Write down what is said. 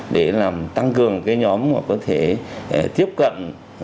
để làm tăng cường cái nhóm mà có thể tiếp cận